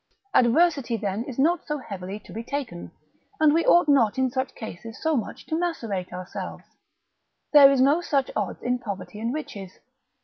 Adversity then is not so heavily to be taken, and we ought not in such cases so much to macerate ourselves: there is no such odds in poverty and riches.